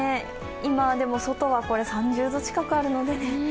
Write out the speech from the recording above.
今、外は３０度近くあるので。